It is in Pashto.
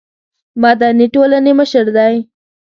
مدني ټولنې مشر دی.